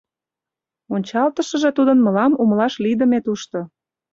Ончалтышыже тудын мылам умылаш лийдыме тушто.